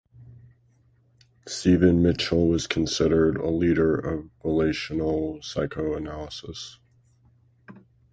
Stephen Mitchell was considered a leader of relational psychoanalysis.